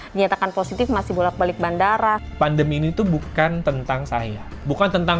dinyatakan positif masih bolak balik bandara pandemi ini tuh bukan tentang saya bukan tentang